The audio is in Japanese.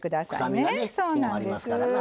臭みがねありますからな。